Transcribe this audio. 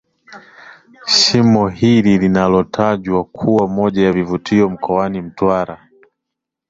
Shimo hili linalotajwa kuwa moja ya vivutio mkoani Mtwara